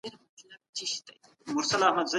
په څېړنه کې د درواغو ځای نسته.